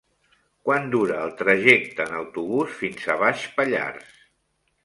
Quant dura el trajecte en autobús fins a Baix Pallars?